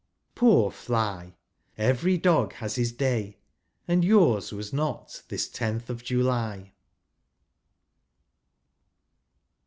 Poor Fly ! Every dog has his day, and yours was not this tenth ol July.